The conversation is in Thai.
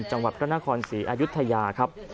จังหวัดพระนครศรีอายุทยาครับ